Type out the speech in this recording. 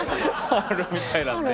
あるみたいなんで。